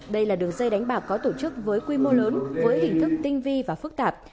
đây là đường dây đánh bạc có tổ chức với quy mô lớn với hình thức tinh vi và phức tạp